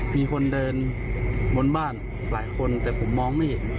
มีคนเดินบนบ้านหลายคนแต่ผมมองไม่เห็น